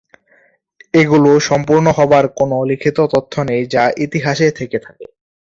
এগুলো সম্পূর্ণ হবার কোন লিখিত তথ্য নেই যা ইতিহাসে থেকে থাকে।